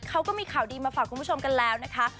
เขาก็มีข่าวดีมาฝากคุณผู้ชมกันแล้วนะคะ